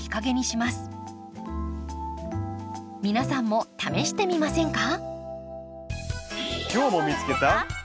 皆さんも試してみませんか。